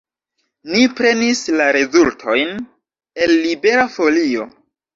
Ni prenis la rezultojn el Libera Folio.